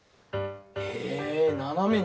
へえ斜めに。